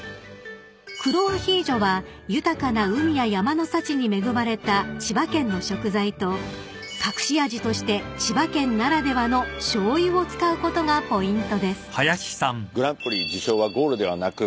［黒アヒージョは豊かな海や山の幸に恵まれた千葉県の食材と隠し味として千葉県ならではのしょうゆを使うことがポイントです］